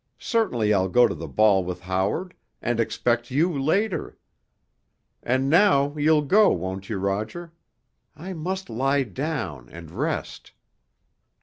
Certainly I'll go to the ball with Howard—and expect you later. And now you'll go, won't you, Roger? I must lie down—and rest."